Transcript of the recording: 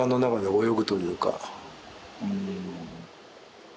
うん。